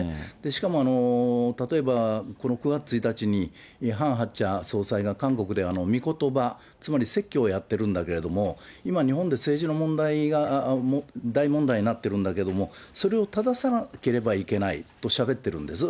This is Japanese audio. しかも、例えば、この９月１日に、ハン・ハクチャ総裁が韓国でみことば、つまり説教をやってるんだけれども、今、日本で政治の問題が大問題になってるんだけれども、それを正さなければいけないとしゃべってるんです。